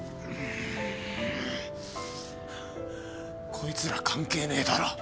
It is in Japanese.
こいつら関係ねえだろ。